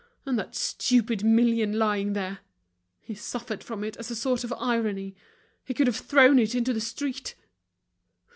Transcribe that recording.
And that stupid million lying there! He suffered from it as a sort of irony, he could have thrown it into the street.